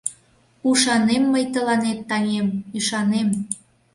— Ушанем мый тыланет, таҥем, ӱшанем.